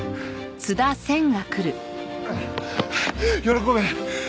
喜べ！